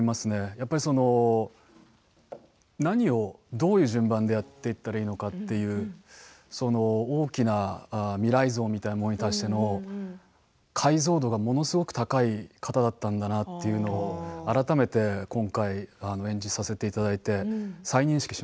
やっぱり、その何をどういう順番でやっていったらいいのかっていう、その大きな未来像みたいなものに対しての解像度がものすごく高い方だったんだなというのを改めて今回演じさせていただいて再認識しましたね。